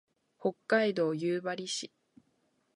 北海道夕張市